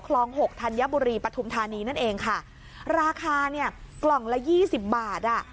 หกธัญบุรีปฐุมธานีนั่นเองค่ะราคาเนี่ยกล่องละยี่สิบบาทอ่ะ